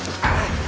はい！